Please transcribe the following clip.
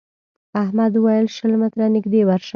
احمد وويل: شل متره نږدې ورشه.